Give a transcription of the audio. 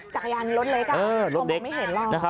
จักรยานรถเล็กเขาบอกไม่เห็นหรอก